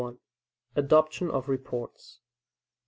Adoption of Reports.